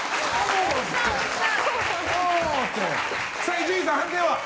伊集院さん、判定は？